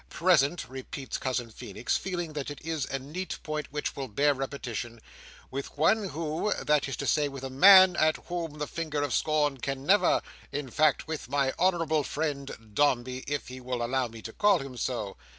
"Present," repeats Cousin Feenix, feeling that it is a neat point which will bear repetition,—"with one who—that is to say, with a man, at whom the finger of scorn can never—in fact, with my honourable friend Dombey, if he will allow me to call him so."